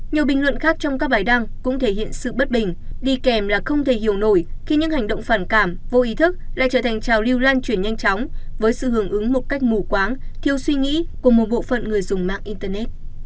nhiều bình luận khác trong các bài đăng cũng thể hiện sự bất bình đi kèm là không thể hiểu nổi khi những hành động phản cảm vô ý thức lại trở thành trào lưu lan truyền nhanh chóng với sự hưởng ứng một cách mù quáng thiếu suy nghĩ của một bộ phận người dùng mạng internet